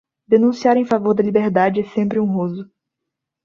Denunciar em favor da liberdade é sempre honroso.